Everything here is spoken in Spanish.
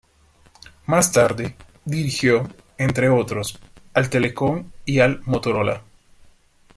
Más tarde, dirigió, entre otros, al Telekom y al Motorola.